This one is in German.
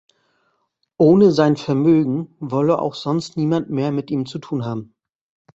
Ohne sein Vermögen wolle auch sonst niemand mehr mit ihm zu tun haben.